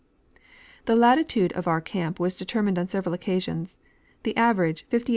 The latitude of our camp was determined on several occasions ; the average, 58° 49'.